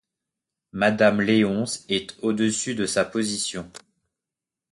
Madame Léonce est au-dessus de sa position.